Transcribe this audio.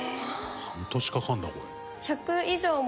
半年かかるんだこれ。